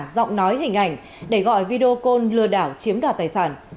giọng nói hình ảnh để gọi video call lừa đảo chiếm đoạt tài sản